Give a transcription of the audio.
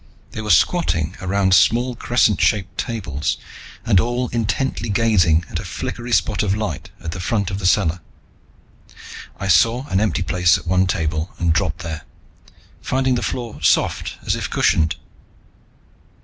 They were squatting around small crescent shaped tables, and all intently gazing at a flickery spot of light at the front of the cellar. I saw an empty place at one table and dropped there, finding the floor soft, as if cushioned.